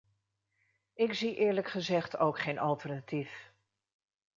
Ik zie eerlijk gezegd ook geen alternatief.